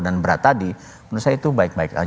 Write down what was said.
dan berat tadi menurut saya itu baik baik saja